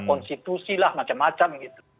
konstitusi lah macam macam gitu